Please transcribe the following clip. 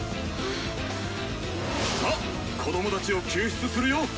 さあっ子供たちを救出するよ。